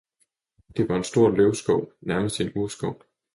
Det var en stor løvskov, nærmest en urskov.